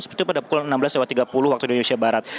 seperti pada pukul enam belas tiga puluh waktu indonesia barat